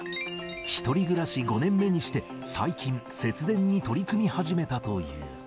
１人暮らし５年目にして最近、節電に取り組み始めたという。